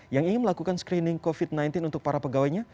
yang ingin melakukan screening covid sembilan belas untuk para pegawainya